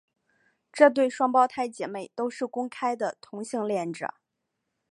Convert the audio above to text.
这对双胞胎姐妹都是公开的同性恋者。